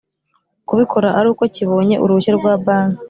kubikora ari uko cyibonye uruhushya rwa Banki